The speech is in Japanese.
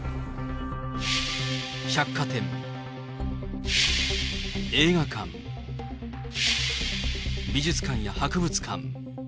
百貨店、映画館、美術館や博物館。